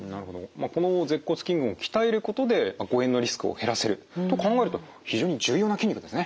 まあこの舌骨筋群を鍛えることで誤嚥のリスクを減らせると考えると非常に重要な筋肉ですね。